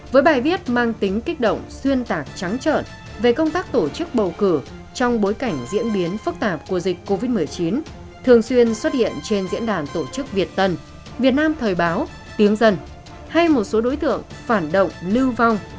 với bài viết mang tính kích động xuyên tạc trắng trợn về công tác tổ chức bầu cử trong bối cảnh diễn biến phức tạp của dịch covid một mươi chín thường xuyên xuất hiện trên diễn đàn tổ chức việt tân việt nam thời báo tiếng dân hay một số đối tượng phản động lưu vong